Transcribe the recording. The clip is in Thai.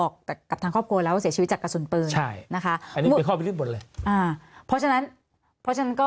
คัตกรรมอำพัง